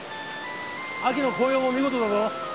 秋の紅葉も見事だぞ。